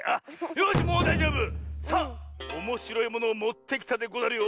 よしもうだいじょうぶ！さあおもしろいものをもってきたでござるよ。